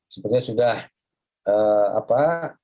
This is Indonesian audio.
sepertinya sudah ee apa